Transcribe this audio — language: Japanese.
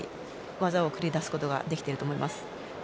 技を繰り出すことができていると思います。